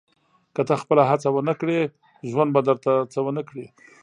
• که ته خپله هڅه ونه کړې، ژوند به درته څه ونه کړي.